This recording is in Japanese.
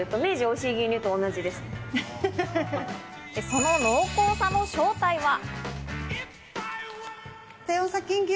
その濃厚さの正体は。